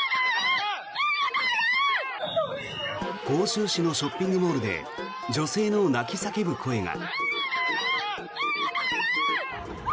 杭州市のショッピングモールで女性の泣き叫ぶ声が。